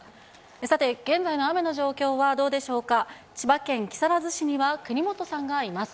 さて、現在の雨の状況はどうでしょうか、千葉県木更津市には国本さんがいます。